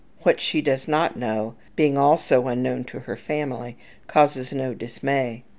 What she does not know, being also unknown to her family, causes no dismay.